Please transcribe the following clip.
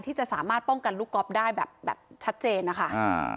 ที่จะสามารถป้องกันลูกก๊อฟได้แบบแบบชัดเจนนะคะอ่า